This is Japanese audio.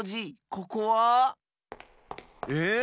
ここは？え？